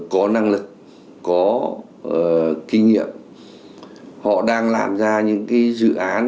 có năng lực có kinh nghiệm họ đang làm ra những cái dự án